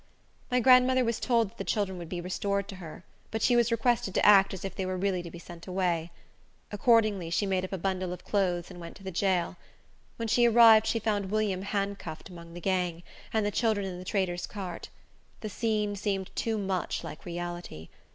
My grandmother was told that the children would be restored to her, but she was requested to act as if they were really to be sent away. Accordingly, she made up a bundle of clothes and went to the jail. When she arrived, she found William handcuffed among the gang, and the children in the trader's cart. The scene seemed too much like reality.